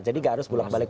jadi gak harus bulak balik